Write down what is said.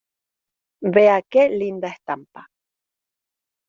vea qué linda estampa.